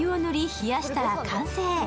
冷やしたら完成。